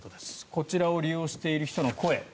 こちらを利用している人の声。